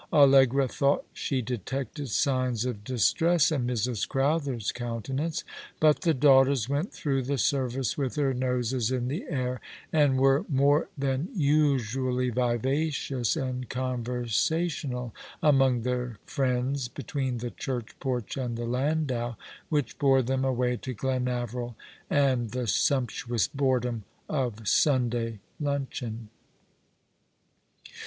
Allegra thought she detected signs of distress in Mrs. Crowther's countenance; but the daughters went through the service with their noses in the air, and were more than usually Yiyacious and conversational among their friends between the church porch and the landau which bore them away to Glenaveril, and the sumptuous boredom of Sunday luncheon.